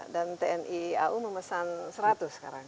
dan tni au memesan seratus sekarang